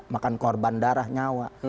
makan korban darah nyawa